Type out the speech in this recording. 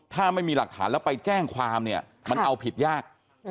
ถ้าไม่มีหลักฐานแล้วไปแจ้งความเนี่ยมันเอาผิดยาก